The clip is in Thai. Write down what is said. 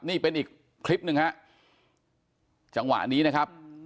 นี่เป็นอีกคลิปหนึ่งฮะจังหวะนี้นะครับ